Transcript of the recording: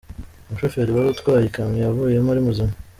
Umushoferi wari utwaye ikamyo yavuyemo ari muzima.